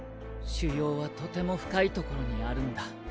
腫瘍はとても深いところにあるんだ。